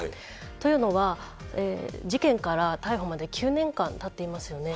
というのは、事件から逮捕まで９年間たっていますよね。